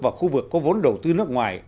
và khu vực có vốn đầu tư nước ngoài